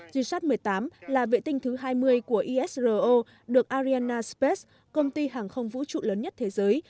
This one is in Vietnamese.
g sat một mươi tám là vệ tinh thứ hai mươi của isro được ariana space công ty hàng không vũ trụ lớn nhất thế giới